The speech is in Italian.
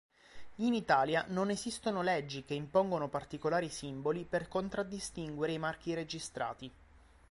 In Italia non esistono leggi che impongono particolari simboli per contraddistinguere i marchi registrati.